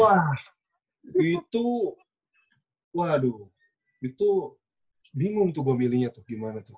wah itu waduh itu bingung tuh memilihnya tuh gimana tuh